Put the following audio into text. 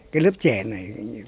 cái lớp trẻ này